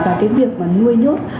và cái việc nuôi nhốt